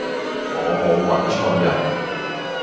我無搵錯人